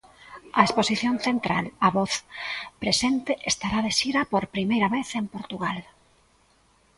A exposición central A voz presente estará de xira por primeira vez en Portugal.